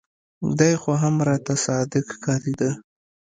دى خو هم راته صادق ښکارېده.